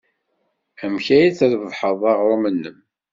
Amek ay d-trebbḥed aɣrum-nnem?